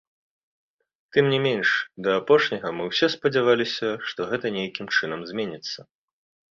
Тым не менш да апошняга мы ўсе спадзяваліся, што гэта нейкім чынам зменіцца.